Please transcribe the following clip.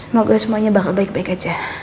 semoga semuanya bakal baik baik aja